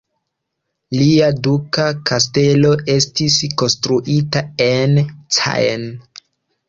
Lia duka kastelo estis konstruita en Caen.